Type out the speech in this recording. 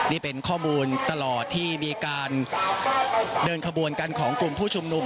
นี่เป็นข้อมูลตลอดที่มีการเดินขบวนกันของกลุ่มผู้ชุมนุม